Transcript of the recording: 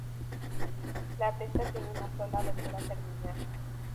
La testa tiene una sola abertura terminal.